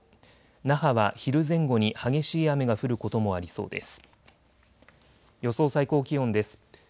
那覇は昼前後に激しい雨が降ることもありそうです。